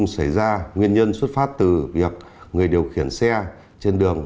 xảy ra nguyên nhân xuất phát từ việc người điều khiển xe trên đường